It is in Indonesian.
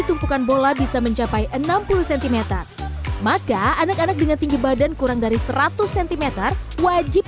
tumpukan bola bisa mencapai enam puluh cm maka anak anak dengan tinggi badan kurang dari seratus cm wajib